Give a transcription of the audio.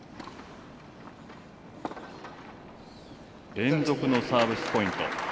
連続のサービスポイント。